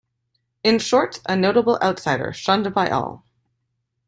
In short, a notable outsider, shunned by all.